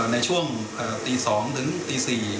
ในช่วงตี๒ถึงตี๔